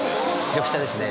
緑茶ですね。